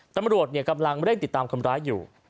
ตำรวจกำลังเร่งติดตามคนร้ายอยู่